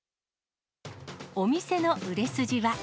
お店の売れ筋は。